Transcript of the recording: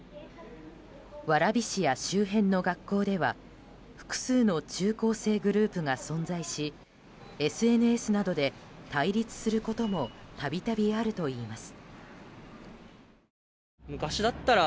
蕨市や周辺の学校では複数の中高生グループが存在しＳＮＳなどで対立することも度々あるといいます。